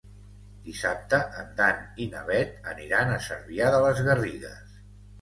Dissabte en Dan i na Bet aniran a Cervià de les Garrigues.